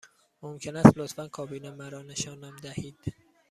ممکن است لطفاً کابین مرا نشانم دهید؟